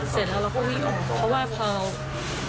เสร็จแล้วเราก็วิ่งออกเพราะว่าพอเราหยิบไปมันก็หลบ